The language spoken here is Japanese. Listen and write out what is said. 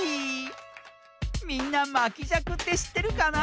みんなまきじゃくってしってるかな？